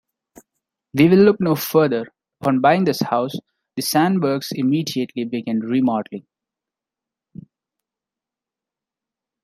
We will look no further. Upon buying the house, the Sandburgs immediately began remodeling.